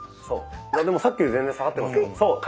そうでもさっきより全然下がってますよ。